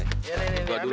wah makasih ya